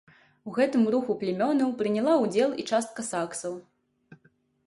У гэтым руху плямёнаў прыняла ўдзел і частка саксаў.